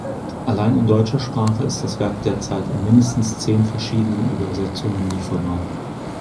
Allein in deutscher Sprache ist das Werk derzeit in mindestens zehn verschiedenen Übersetzungen lieferbar.